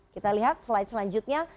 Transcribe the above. kita lihat slide selanjutnya